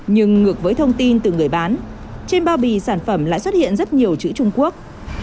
nhưng ngược với thông tin từ người bán trên bao bì sản phẩm lại xuất hiện rất nhiều chữ trung quốc